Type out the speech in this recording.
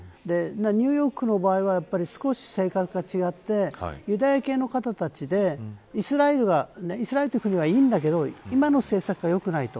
ニューヨークの場合は少し性格が違ってユダヤ系の方たちでイスラエルという国はいいんだけど今の政策が良くないと。